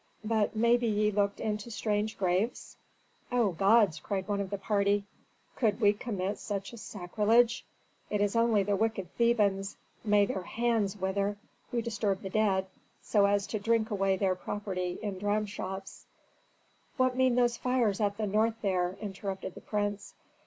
"But maybe ye looked into strange graves?" "O gods!" cried one of the party, "could we commit such a sacrilege? It is only the wicked Thebans may their hands wither! who disturb the dead, so as to drink away their property in dramshops." "What mean those fires at the north there?" interrupted the prince.